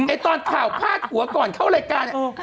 ตอนข่าวพาดหัวก่อนเข้ารายการ